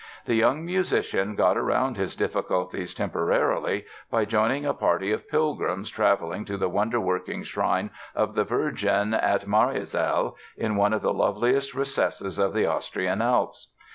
The young musician got around his difficulties temporarily by joining a party of pilgrims traveling to the wonder working shrine of the Virgin at Mariazell, in one of the loveliest recesses of the Austrian Alps.